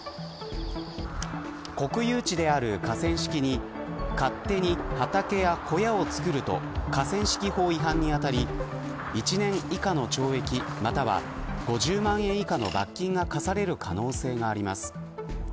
国有地である河川敷に勝手に、畑や小屋を作ると河川敷法違反に当たり１年以下の懲役または５０万円以下の罰金が科される可能性があります。